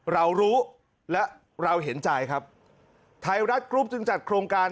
เรารู้และเราเห็นใจครับไทยรัฐกรุ๊ปจึงจัดโครงการ